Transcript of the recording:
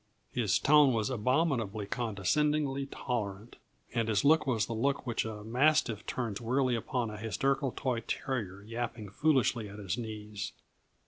His tone was abominably, condescendingly tolerant, and his look was the look which a mastiff turns wearily upon a hysterical toy terrier yapping foolishly at his knees.